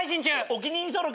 お気に入り登録。